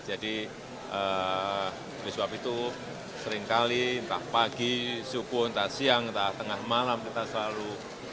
jadi oleh sebab itu seringkali entah pagi subuh entah siang entah tengah malam kita selalu